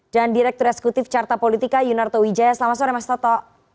dan direktur eksekutif carta politika yunarto wijaya selamat sore mas toto